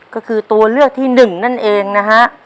ก็คือตัวเลือกที่หนึ่งนั่นเองนะฮะ